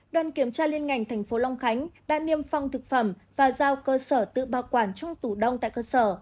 đoàn kiểm tra liên ngành tp long khánh đã niêm phong thực phẩm và giao cơ sở tự bảo quản trong tủ đông tại cơ sở